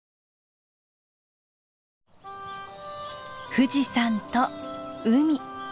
富士山と海。